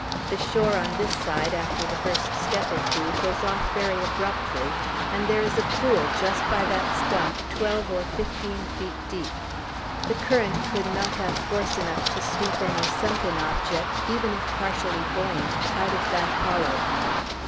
The shore, on this side, after the first step or two, goes off very abruptly; and there is a pool, just by the stump, twelve or fifteen feet deep. The current could not have force enough to sweep any sunken object, even if partially buoyant, out of that hollow."